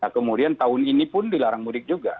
kemudian tahun ini pun dilarang mudik juga